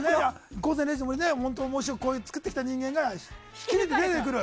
「午前０時の森」を面白く作ってきた人間が引き抜かれる。